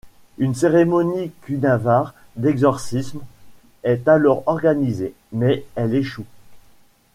Une cérémonie kunivare d'exorcisme est alors organisée mais elle échoue.